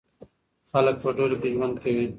خلک په ډلو کې ژوند کوي.